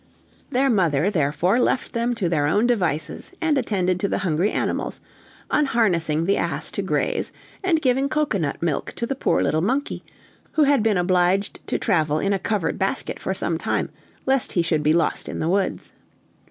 Their mother, therefore, left them to their own devices, and attended to the hungry animals, unharnessing the ass to graze, and giving cocoanut milk to the poor little monkey, who had been obliged to travel in a covered basket for some time, lest he should be lost in the woods.